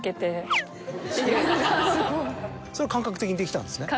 それは感覚的にできたんですね。